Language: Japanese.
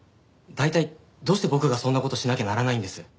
大体どうして僕がそんな事しなきゃならないんです？